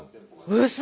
うそ！